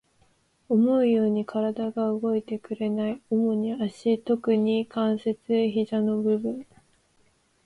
思うように体が動いてくれない。主に足、特に関節、膝の部分。